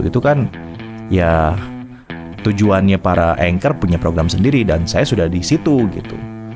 itu kan ya tujuannya para anchor punya program sendiri dan saya sudah di situ gitu